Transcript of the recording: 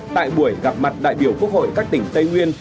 tại buổi gặp mặt đại biểu quốc hội các tỉnh tây nguyên